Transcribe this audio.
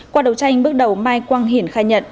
qua đầu tranh bước đầu mai quang hiển khai nhận